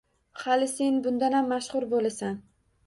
Hali sen bundanam mashhur bo`lasan